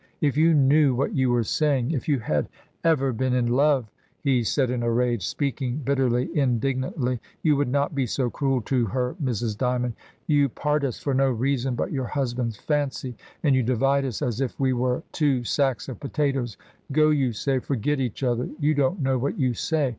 "If you knew what you were saying; if you had ever been in love," he said in a rage, speaking bit terly, indignantly, "you would not be so cruel to her, Mrs. Dymond. You part us for no reason but your husband's fancy, and you divide us as if we were two sacks of potatoes — *Go,' you say, 'forget each other.' You don't know what you say.